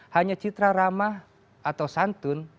hanya citra ramah atau santun